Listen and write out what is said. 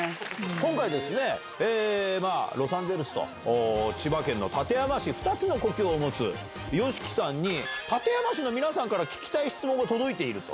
今回、ロサンゼルスと千葉県の館山市、２つの故郷を持つ、ＹＯＳＨＩＫＩさんに、館山市の皆さんから聞きたい質問が届いていると。